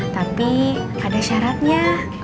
tapi ada syaratnya